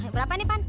berapa nih pan